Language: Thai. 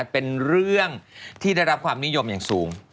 เป็นเรื่องที่ได้รับความนิยมอย่างสูง